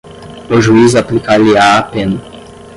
o juiz aplicar-lhe-á a pena